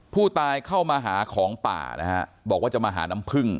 ผู้ตายเข้ามาหาของป่านะฮะบอกว่าจะมาหาน้ำพึ่ง